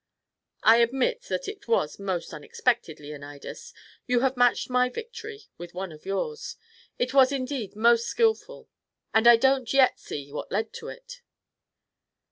"I admit that it was most unexpected, Leonidas. You have matched my victory with one of yours. It was indeed most skillful and I don't yet see what led to it."